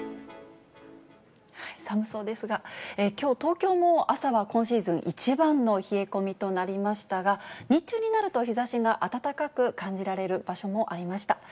寒そうですが、きょう、東京も朝は今シーズン一番の冷え込みとなりましたが、日中になると、日ざしが暖かく感じられる場所もありました。